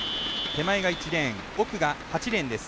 手前が１レーン奥が８レーンです。